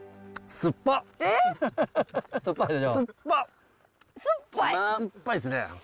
すっぱいっすね！